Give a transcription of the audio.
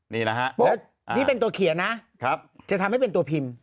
นี่นะฮะแล้วนี่เป็นตัวเขียนนะจะทำให้เป็นตัวพิมพ์